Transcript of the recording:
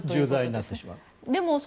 重罪になってしまう。